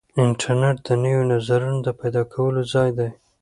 انټرنیټ د نویو نظریو د پیدا کولو ځای دی.